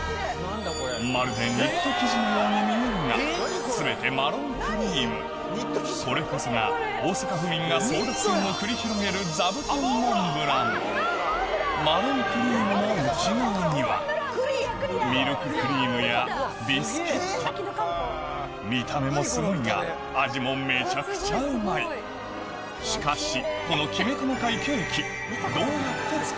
まるでニット生地のように見えるが全てマロンクリームこれこそが大阪府民が争奪戦を繰り広げるマロンクリームの内側にはミルククリームやビスケット見た目もすごいが味もめちゃくちゃうまいしかしこのきめ細かいケーキ